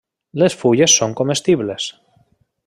Les fulles són comestibles.